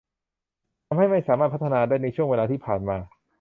ทำให้ไม่สามารถพัฒนาได้ในช่วงเวลาที่ผ่านมา